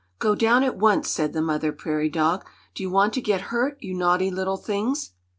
"Go down at once!" said the mother prairie dog. "Do you want to get hurt, you naughty little things?"